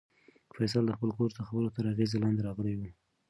فیصل د خپل کورس د خبرو تر اغېز لاندې راغلی و.